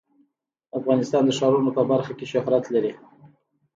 افغانستان د ښارونو په برخه کې شهرت لري.